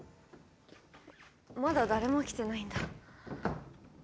まだ誰も来てないんだ。